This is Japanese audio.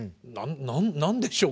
何でしょう？